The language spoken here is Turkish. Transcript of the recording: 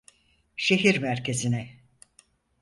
Şehir merkezine.